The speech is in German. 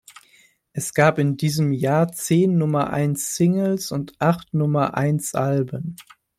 Es gab in diesem Jahr zehn Nummer-eins-Singles und acht Nummer-eins-Alben.